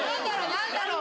何だろう？